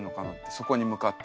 そこに向かって。